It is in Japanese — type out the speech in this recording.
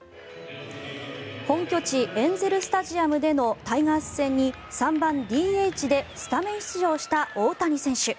本拠地エンゼル・スタジアムでのタイガース戦に３番ＤＨでスタメン出場した大谷選手。